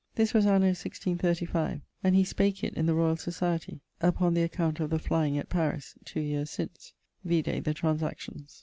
This was anno 1635, and he spake it in the Royall Societie, upon the account of the flyeing at Paris, two yeares since. Vide the Transactions.